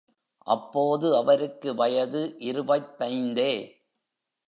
அப்போது அவருக்கு வயது இருபத்தைந்தே.